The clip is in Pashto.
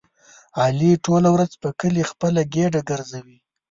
علي ټوله ورځ په کلي خپله ګېډه ګرځوي.